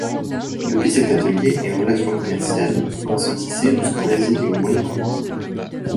Depuis cet atelier, les relations commerciales vont se tisser jusqu'en Asie et au Moyen-Orient.